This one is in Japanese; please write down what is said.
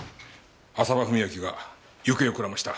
浅羽史明が行方をくらました。